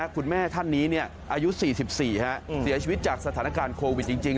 คุณแม่ท่านนี้อายุ๔๔เสียชีวิตจากสถานการณ์โควิดจริง